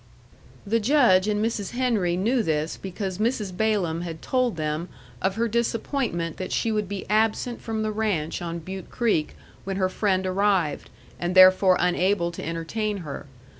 The Judge and Mrs. Henry knew this because Mrs. Balaam had told them of her disappointment that she would be absent from the ranch on Butte Creek when her friend arrived, and therefore unable to entertain her.